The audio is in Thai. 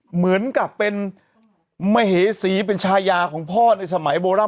เหมือนกับเป็นมเหสีเป็นชายาของพ่อในสมัยโบราณ